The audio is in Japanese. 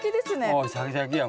おうシャキシャキや。